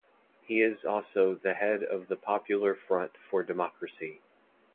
He is also the Head of the Popular Front for Democracy.